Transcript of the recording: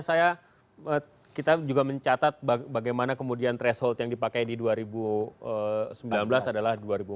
saya kita juga mencatat bagaimana kemudian threshold yang dipakai di dua ribu sembilan belas adalah dua ribu empat belas